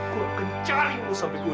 gue akan cari lo sampai ke dunia